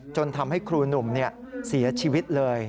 จนทำให้ครูหนุ่มเสียชีวิตเลย